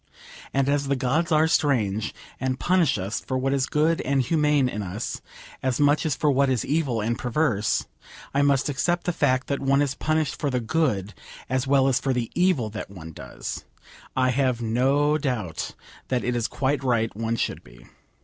And as the gods are strange, and punish us for what is good and humane in us as much as for what is evil and perverse, I must accept the fact that one is punished for the good as well as for the evil that one does. I have no doubt that it is quite right one should be.